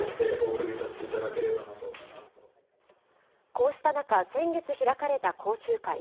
こうした中、先月開かれた講習会。